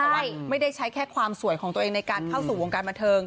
ว่าไม่ได้ใช้แค่ความสวยของตัวเองในการเข้าสู่วงการบันเทิง